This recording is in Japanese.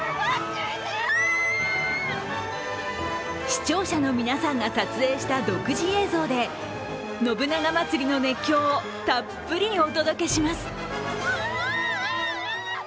視聴者の皆さんが撮影した独自映像で信長まつりの熱狂をたっぷりお届けします。